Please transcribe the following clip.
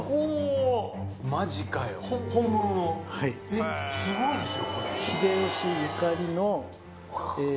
えっすごいですよこれ。